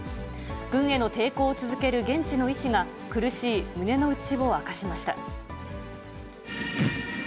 軍への抵抗を続ける現地の医師が、苦しい胸の内を明かしました。